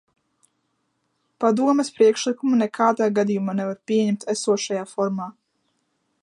Padomes priekšlikumu nekādā gadījumā nevar pieņemt esošajā formā.